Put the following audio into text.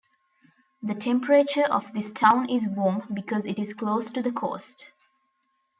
The temperature of this town is warm because it is close to the coast.